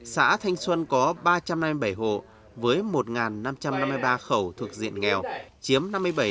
xã thanh xuân có ba trăm năm mươi bảy hộ với một năm trăm năm mươi ba khẩu thuộc diện nghèo chiếm năm mươi bảy